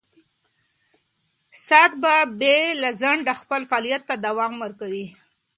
ساعت به بې له ځنډه خپل فعالیت ته دوام ورکوي.